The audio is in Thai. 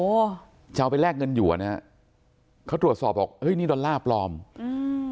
ถึงจะเอาไปแลกเงินหยั่วนะเขาตรวจสอบบอกเอ้ยนี่ดอลลาร์ปลอมอืม